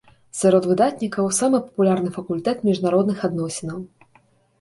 Сярод выдатнікаў самы папулярны факультэт міжнародных адносінаў.